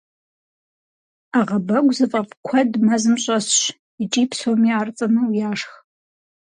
Ӏэгъэбэгу зыфӏэфӏ куэд мэзым щӏэсщ, икӏи псоми ар цӏынэу яшх.